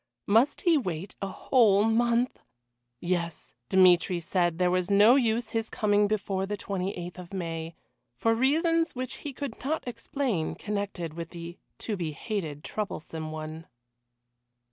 Must he wait a whole month? Yes Dmitry said there was no use his coming before the 28th of May, for reasons which he could not explain connected with the to be hated Troublesome one.